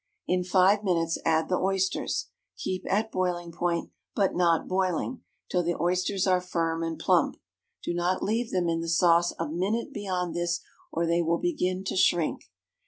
In five minutes add the oysters. Keep at boiling point, but not boiling, till the oysters are firm and plump. Do not leave them in the sauce a minute beyond this, or they will begin to shrink.